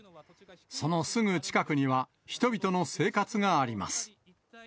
そのすぐ近くには人々の生活があります。